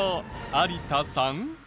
有田さん。